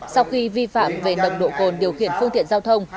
sau khi vi phạm về nồng độ cồn điều khiển phương tiện giao thông